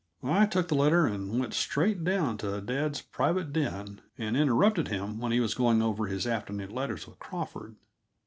I took the letter and went straight down to dad's private den and interrupted him when he was going over his afternoon letters with Crawford.